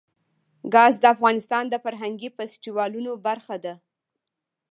ګاز د افغانستان د فرهنګي فستیوالونو برخه ده.